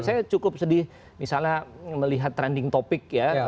saya cukup sedih misalnya melihat trending topic ya